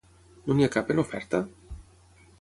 No n'hi ha cap en oferta?